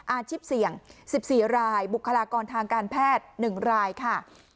อาชีพเสี่ยง๑๔รายบุคลากรทางการแพทย์๑รายค่ะ